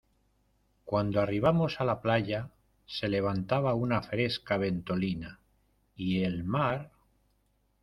cuando arribamos a la playa, se levantaba una fresca ventolina , y el mar